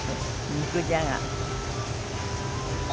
肉じゃが？